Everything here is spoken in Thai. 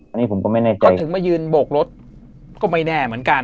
อันนี้ผมก็ไม่แน่ใจก็ถึงมายืนโบกรถก็ไม่แน่เหมือนกัน